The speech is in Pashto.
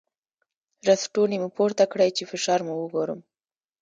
ړستونی مو پورته کړی چې فشار مو وګورم.